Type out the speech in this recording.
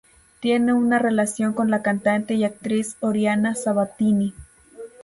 Tiene una relación con la cantante y actriz Oriana Sabatini.